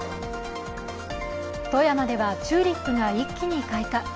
富山ではチューリップが一気に開花。